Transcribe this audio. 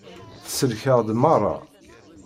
Tsellek-aɣ-d merra.